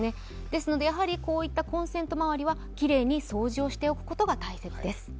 ですので、コンセントまわりはきれいに掃除をしておくことが大切です。